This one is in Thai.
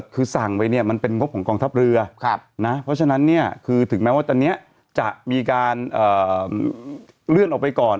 คือสั่งไปเนี่ยมันเป็นงบของกองทัพเรือนะเพราะฉะนั้นเนี่ยคือถึงแม้ว่าตอนนี้จะมีการเลื่อนออกไปก่อน